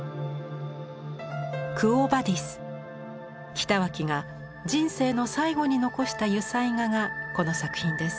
北脇が人生の最後に残した油彩画がこの作品です。